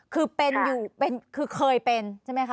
อ๋อคือเป็นอยู่คือเคยเป็นใช่ไหมคะ